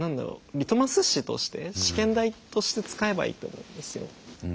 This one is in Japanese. リトマス紙として試験台として使えばいいと思うんですよ。